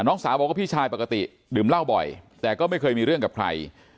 น้องสาวบอกว่าพี่ชายปกติดื่มเหล้าบ่อยแต่ก็ไม่เคยมีเรื่องกับใคร